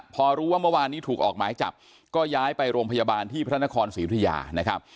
พอรู้ว่าเมื่อวานนี้ถูกออกหมายจับก็ย้ายไปโรงพยาบาลที่พระนครศรีอุทยานะครับ